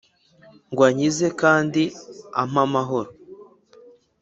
Ngw ankize kand' amp' amahoro.